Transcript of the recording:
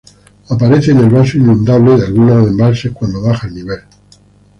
Aparece en el vaso inundable de algunas embalses, cuando baja el nivel.